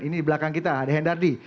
ini di belakang kita ada hendardi